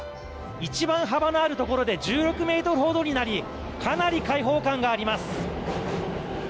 一番幅のあるところで１６ｍほどになりかなり解放感があります。